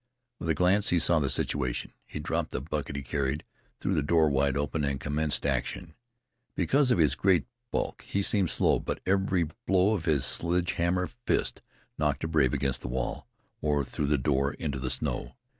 With a glance he saw the situation. He dropped the bucket he carried, threw the door wide open and commenced action. Because of his great bulk he seemed slow, but every blow of his sledge hammer fist knocked a brave against the wall, or through the door into the snow.